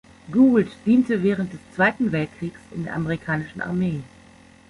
Gould diente während des Zweiten Weltkriegs in der amerikanischen Armee.